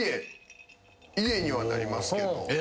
家にはなりますけど。